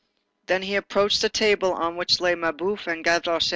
Then he approached the table on which lay Mabeuf and Gavroche.